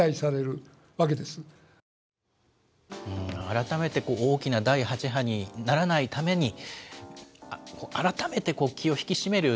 改めて大きな第８波にならないために、改めて気を引き締める